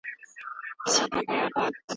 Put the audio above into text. نثر او کيسې بايد د ژوند هنداره وي.